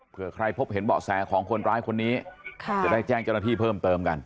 เพื่อใครพบเห็นเบาะแสของคนร้ายคนนี้จะได้แจ้งเจ้าหน้าที่เพิ่มเติมกัน